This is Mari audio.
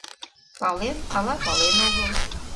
Пален, але пален огыл?..